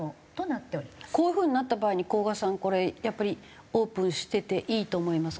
こういう風になった場合に甲賀さんこれやっぱりオープンしてていいと思いますか？